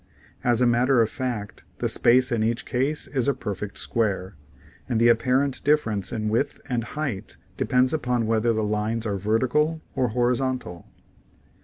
As a matter of fact the space in each case is a perfect square, and the apparent difference in width and height depends upon whether the lines are ver tical or horizontal.